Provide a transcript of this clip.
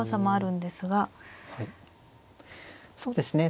そうですね。